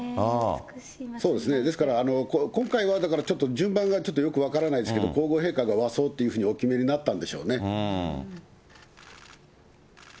そうですね、ですから今回はだから、順番がちょっと分からないですけど、皇后陛下が和装というふうにお決めになったんでしょうね。